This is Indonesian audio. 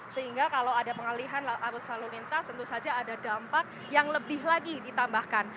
sehingga kalau ada pengalihan arus lalu lintas tentu saja ada dampak yang lebih lagi ditambahkan